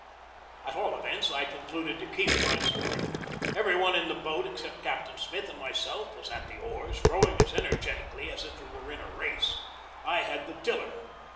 At all events, I concluded to keep my sword. Every one in the boat, except Captain Smith and myself, was at the oars, rowing as energetically as if we were in a race. I had the tiller.